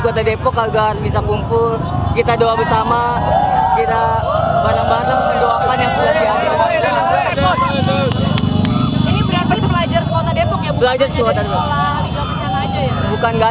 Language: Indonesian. kota depok agar bisa kumpul kita doa bersama kita bareng bareng doakan yang sudah dianggap